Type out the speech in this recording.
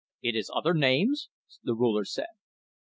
"It has other names?" the Ruler said.